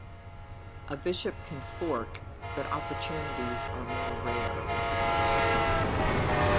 A bishop can fork, but opportunities are more rare.